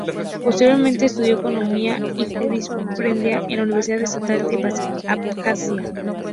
Posteriormente estudió economía y jurisprudencia en la Universidad Estatal de Abjasia.